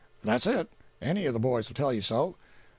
"That's it—any of the boys will tell you so."